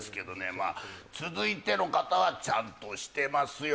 まあ続いての方はちゃんとしてますよ